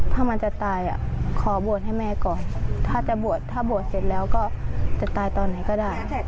ถ้ามันจะตายอ่ะขอบวชให้แม่ก่อน